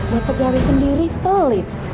buat pegawai sendiri pelit